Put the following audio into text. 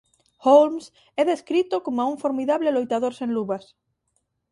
Holmes é descrito coma un formidable loitador sen luvas.